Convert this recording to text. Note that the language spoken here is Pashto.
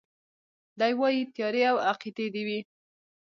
دی وايي تيارې او عقيدې دي وي